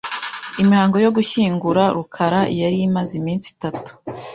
Imihango yo gushyingura rukara yari imaze iminsi itatu .